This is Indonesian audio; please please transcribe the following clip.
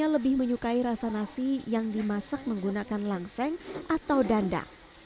lebih menyukai rasa nasi yang dimasak menggunakan langseng atau dandang